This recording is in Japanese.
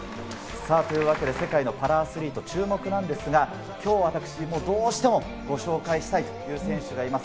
というわけで世界のパラアスリート注目ですが、今日、私どうしてもご紹介したい選手がいます。